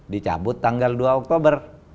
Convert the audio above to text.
dicabut tanggal dua oktober